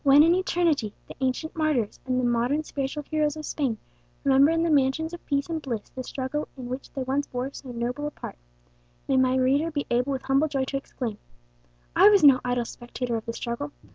When in eternity the ancient martyrs and the modern spiritual heroes of Spain remember in the mansions of peace and bliss the struggle in which they once bore so noble a part, may my reader be able with humble joy to exclaim, "I was no idle spectator of the struggle!